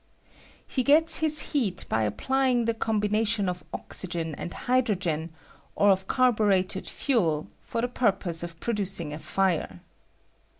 He gets his heat by ap plying the combination of oxygen and hydro gen, or of carbureted fuel, for the purpose of producing a fire.